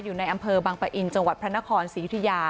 อยู่ในอำเภอบังปะอินจังหวัดพระนครศรียุธิยา